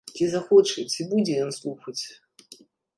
Ці захоча, ці будзе ён слухаць?